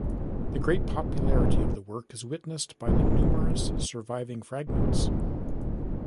The great popularity of the work is witnessed by the numerous surviving fragments.